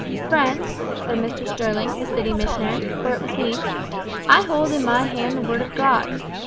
"Friends," said Mr Sterling, the city missionary, for it was he, "I hold in my hand the Word of God.